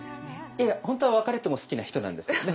いや本当は「別れても好きな人」なんですけどね。